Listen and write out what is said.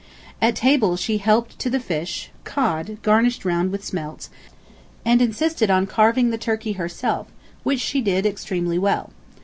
At table she helped to the fish (cod, garnished round with smelts) and insisted on carving the turkey herself, which she did extremely well.